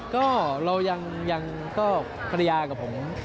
ก็เรายังก็ภรรยากับผม